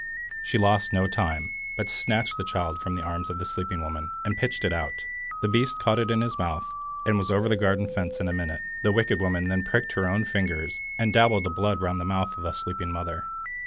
She lost no time, but snatched the child from the arms of the sleeping woman, and pitched it out The beast caught it in his mouth, and was over the garden fence in a minute. The wicked woman then pricked her own fingers, and dabbled the blood round the mouth of the sleeping mother.